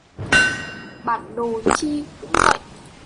Bản đồ chi cũng vậy